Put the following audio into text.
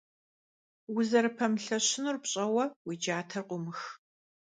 Узэрыпэмылъэщынур пщӀэуэ, уи джатэр къумых.